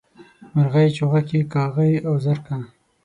مرغۍ، چوغکي کاغۍ او زرکه